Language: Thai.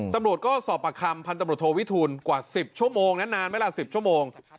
ตำรวจก็สอบประคำพันตำรวจโทวิทูลกว่า๑๐ชั่วโมงนะนานไหมล่ะ๑๐ชั่วโมง